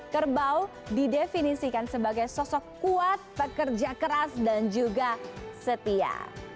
kerbau didefinisikan sebagai sosok kuat pekerja keras dan juga setia